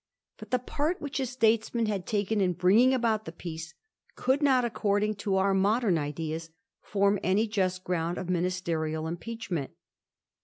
But the part which a states man had taken in bringing about the Peace could not, according to our modem ideas, form any just ground of ministerial impeachment.